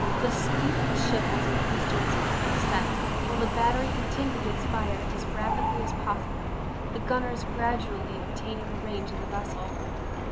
The speed of the ship was increased to its full extent, while the battery continued its fire as rapidly as possible, the gunners gradually ob taining the range of the vessel.